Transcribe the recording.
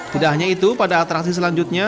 tidak hanya itu pada atraksi selanjutnya